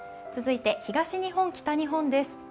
続いて東日本、北日本です。